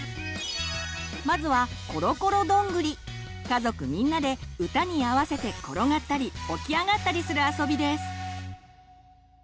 まずは家族みんなで歌に合わせて転がったりおきあがったりするあそびです！